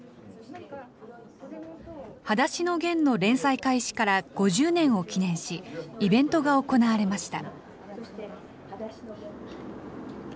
はだしのゲンの連載開始から５０年を記念し、イベントが行われました。